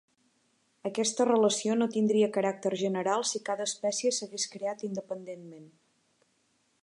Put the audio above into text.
Aquesta relació no tindria caràcter general si cada espècie s'hagués creat independentment.